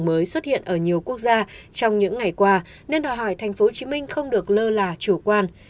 chủ tịch mới xuất hiện ở nhiều quốc gia trong những ngày qua nên đòi hỏi thành phố hồ chí minh không được lơ là chủ quan